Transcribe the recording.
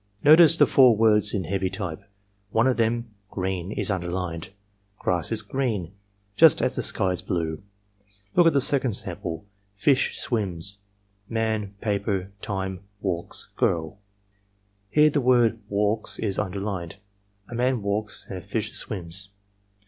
"Notice the four words in heavy type. One of them — green — is imderlined. Grass is green just as the sky is blue. "Look at the second sample: Fish — swims :: man — ^paper, time, vxdks, girl. "Here the word wcdks is imderlined. A man walks and a fish swims.